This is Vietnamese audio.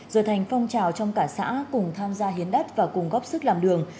rồi thành phong trào trong cả xã cùng tham gia hiến đất và cung cấp sức làm đường